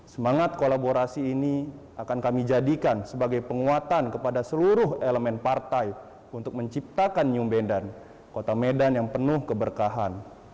semangat kolaborasi ini akan kami jadikan sebagai penguatan kepada seluruh elemen partai untuk menciptakan nyumbedan kota medan yang penuh keberkahan